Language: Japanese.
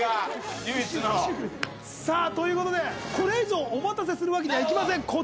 ということでこれ以上お待たせするわけにはいきません。